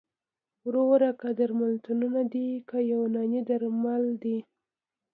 وروره که درملتونونه دي که یوناني درمل دي